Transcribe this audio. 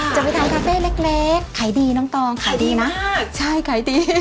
จะไปทานคาเฟ่เล็กขายดีน้องตองขายดีนะใช่ขายดี